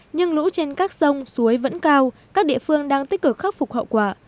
nhưng lũ trên các sông suối vẫn cao các địa phương đang tích cực khắc phục hậu quả